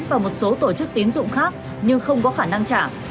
và một số tổ chức tín dụng khác nhưng không có khả năng trả